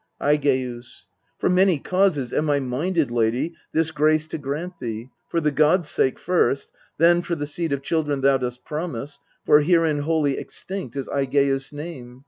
Aigcus. For many causes am I minded, lady, This grace to grant thee : for the gods' sake first ; Then, for the seed of children thou dost promise ; For herein wholly extinct is Aigeus' name.